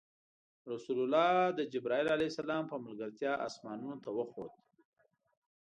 رسول الله د جبرایل ع په ملګرتیا اسمانونو ته وخوت.